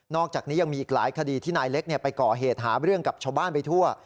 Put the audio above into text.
อกจากนี้ยังมีอีกหลายคดีที่นายเล็กไปก่อเหตุหาเรื่องกับชาวบ้านไปทั่ว